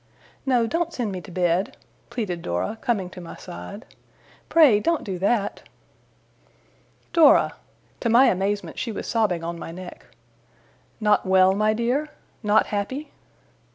'No, don't send me to bed!' pleaded Dora, coming to my side. 'Pray, don't do that!' 'Dora!' To my amazement she was sobbing on my neck. 'Not well, my dear! not happy!